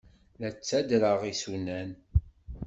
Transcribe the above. La ttadreɣ isunan.